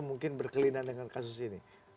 mungkin berkelina dengan kasus ini